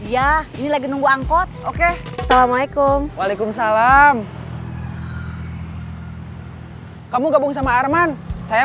ya nggak apa apa teh